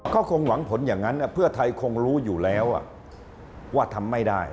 ก็คงหวังผลอย่างนั้นเพื่อไทยคงรู้อยู่แล้วว่าทำไม่ได้